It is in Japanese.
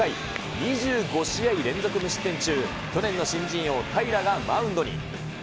２５試合連続無失点中、去年の新人王、平良がマウンドに。